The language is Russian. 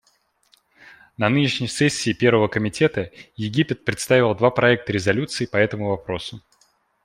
На нынешней сессии Первого комитета Египет представил два проекта резолюций по этому вопросу.